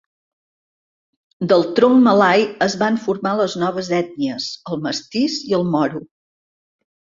Del tronc malai es van formar les noves ètnies: el mestís i el moro.